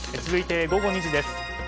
続いて午後２時です。